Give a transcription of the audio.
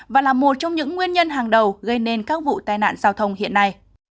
và là một trong những nguyên nhân hàng đầu gây nên các vụ tai nạn giao thông hiện nay